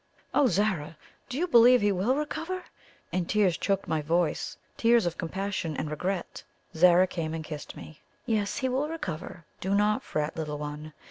"Oh, Zara! do you believe he will recover?" And tears choked my voice tears of compassion and regret. Zara came and kissed me. "Yes, he will recover do not fret, little one.